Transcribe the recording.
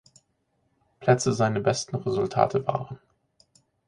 Plätze seine besten Resultate waren.